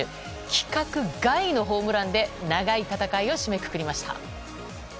規格外のホームランで長い戦いを締めくくりました。